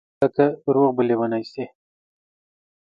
هلکه روغ به لېونی شې